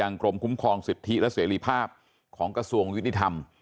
กรมคุ้มครองสิทธิและเสรีภาพของกระทรวงยุติธรรม